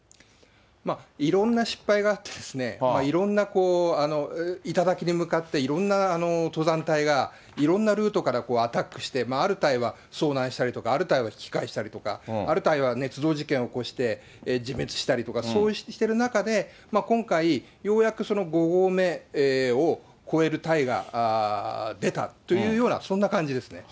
いろんな失敗があってですね、いろんな頂に向かって、いろんな登山隊がいろんなルートからアタックして、ある隊は遭難したりとか、ある隊は引き返したりとか、ある隊はねつ造事件を起こして、自滅したりとか、そうしてる中で、今回、ようやく５合目を越える隊が出たというような、そんな感じですね。